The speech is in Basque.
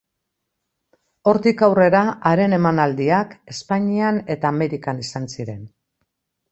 Hortik aurrera haren emanaldiak Espainian eta Amerikan izan ziren.